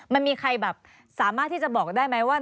มันมีใครแบบสามารถที่จะบอกได้ไหมว่า